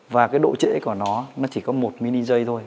và cái độ trễ của nó nó chỉ có một mini giây thôi